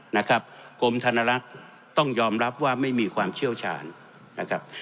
นะครับกรมธนลักษณ์ต้องยอมรับว่าไม่มีความเชี่ยวชาญนะครับ